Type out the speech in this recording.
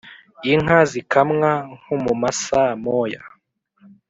inka zikamwa (nko mu masaa moya)